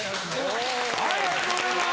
ありがとうございます！